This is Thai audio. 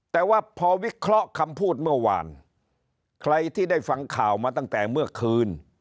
แต่ว่าพอวิเคราะห์คำพูดเมื่อวานใครที่ได้ฟังข่าวมาตั้งแต่เมื่อคืน